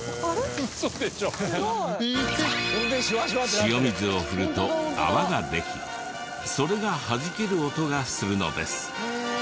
塩水を振ると泡ができそれがはじける音がするのです。